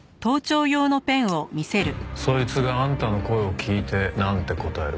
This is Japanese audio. そいつがあんたの声を聞いてなんて答えるか楽しみだな。